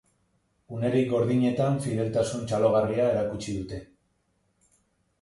Unerik gordinetan fideltasun txalogarria erakutsi dute.